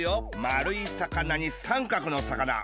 まるいさかなにさんかくのさかな。